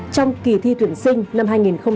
trong các kỳ thi tuyển sinh năm hai nghìn hai mươi hai